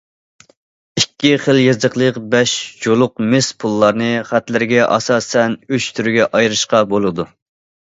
ئىككى خىل يېزىقلىق بەش جۇلۇق مىس پۇللارنى خەتلىرىگە ئاساسەن ئۈچ تۈرگە ئايرىشقا بولىدۇ.